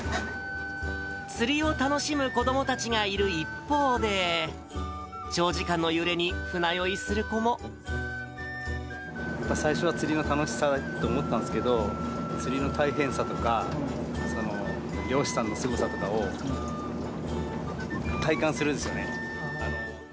釣りを楽しむ子どもたちがいる一方で、最初は釣りの楽しさと思ったんですけど、釣りの大変さとか、漁師さんのすごさとかを体感するんですよね。